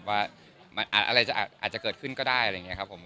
ว่าอะไรอาจจะเกิดขึ้นก็ได้อะไรอย่างนี้ครับผม